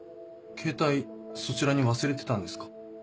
ケータイそちらに忘れてたんですか？